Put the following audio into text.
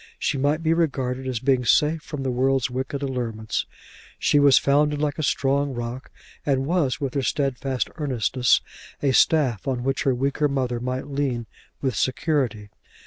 She might be regarded as being safe from the world's wicked allurements. She was founded like a strong rock, and was, with her stedfast earnestness, a staff on which her weaker mother might lean with security.